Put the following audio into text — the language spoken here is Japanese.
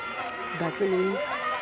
楽に。